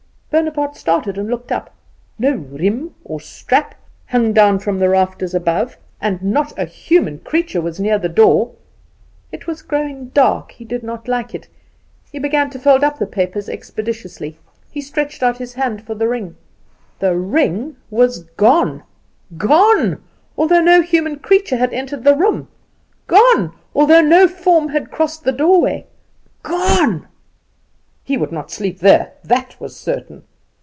Bonaparte started and looked up. No riem or strap, hung down from the rafters above, and not a human creature was near the door. It was growing dark; he did not like it. He began to fold up the papers expeditiously. He stretched out his hand for the ring. The ring was gone! Gone, although no human creature had entered the room; gone, although no form had crossed the doorway. Gone! He would not sleep there, that was certain.